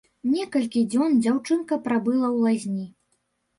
Некалькі дзён дзяўчынка прабыла ў лазні.